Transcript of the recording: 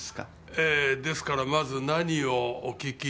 えーですからまず何をお聞きしたらと。